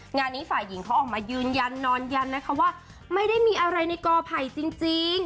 งานนี้ฝ่ายหญิงเขาออกมายืนยันนอนยันนะคะว่าไม่ได้มีอะไรในกอไผ่จริง